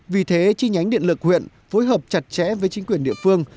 vì thế chi nhánh điện lực huyện phối hợp chặt chẽ với chính quyền địa phương